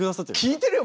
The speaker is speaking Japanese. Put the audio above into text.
聴いてるよ！